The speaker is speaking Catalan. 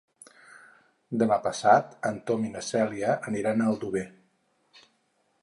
Demà passat en Tom i na Cèlia aniran a Aldover.